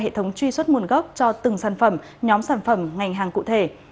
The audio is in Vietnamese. hệ thống truy xuất nguồn gốc cho từng sản phẩm nhóm sản phẩm ngành hàng cụ thể